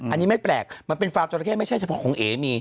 อันนี้ไม่แปลกมันเป็นฟาร์มจราเข้ไม่ใช่เฉพาะของเอ๋มี